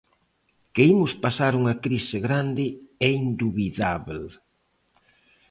Que imos pasar unha crise grande é indubidábel.